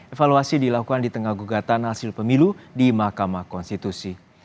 evaluasi dilakukan di tengah gugatan hasil pemilu di mahkamah konstitusi